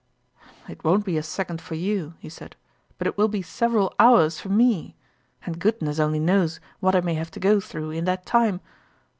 " It won't be a second for you," he said, " but it will be several hours for me ; and goodness only knows what I may have to go through in the time